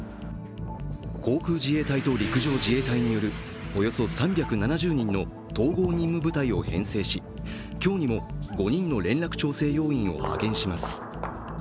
航空自衛隊と陸上自衛隊によるおよそ３７０人の統合任務部隊を編成し今日にも５人の連絡調整要員を派遣します。